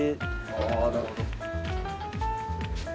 ああなるほど。